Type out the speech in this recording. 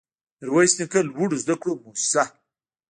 ميرويس نيکه لوړو زده کړو مؤسسه